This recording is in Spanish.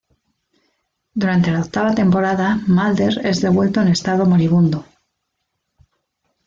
Durante la octava temporada mulder es devuelto en estado moribundo.